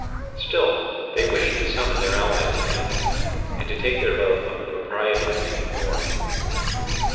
Still they wished to summon their allies again, and to take their vote on the propriety of making war.